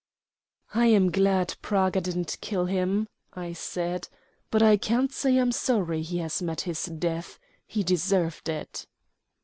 ] "I am glad Praga didn't kill him," I said. "But I can't say I am sorry he has met his death. He deserved it."